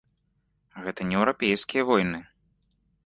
Гэта не еўрапейскія войны.